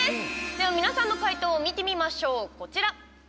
では皆さんの解答見てみましょう。